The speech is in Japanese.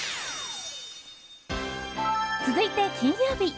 続いて金曜日。